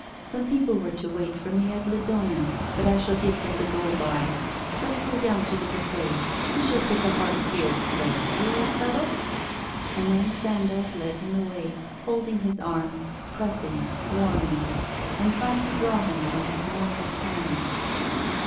Some people were to wait for me at Ledoyen's; but I shall give them the go by. Let's go down to the buffet; we shall pick up our spirits there, eh, old fellow?' And then Sandoz led him away, holding his arm, pressing it, warming it, and trying to draw him from his mournful silence.